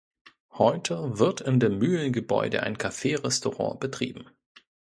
Heute wird in dem Mühlengebäude ein Cafe-Restaurant betrieben.